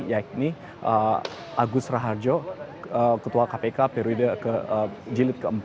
yakni agus raharjo ketua kpk periode jilid ke empat